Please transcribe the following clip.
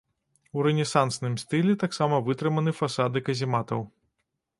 У рэнесансным стылі таксама вытрыманы фасады казематаў.